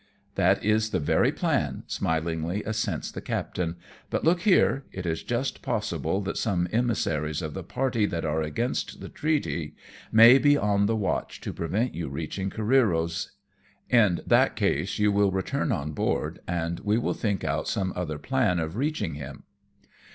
" That is the very plan," smilingly assents the captain, " but, look here, it is just possible that some emissaries of the party that are against the treaty may be on the watch, to prevent you reaching Careero's, in that case, you will return on board, and we will think out some other plan of reaching him."